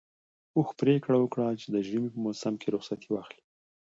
اوښ پرېکړه وکړه چې د ژمي په موسم کې رخصتي واخلي.